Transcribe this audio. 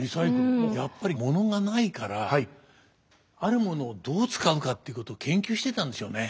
やっぱりものがないからあるものをどう使うかっていうこと研究してたんでしょうね。